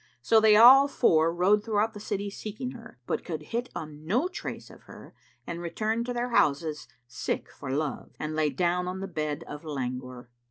So they all four rode throughout the city, seeking her, but could hit on no trace of her and returned to their houses, sick for love, and lay down on the bed of langour.